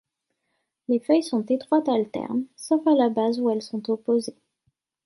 Les feuilles sont étroites alternes, sauf à la base où elles sont opposées.